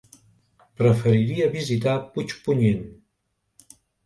Preferiria visitar Puigpunyent.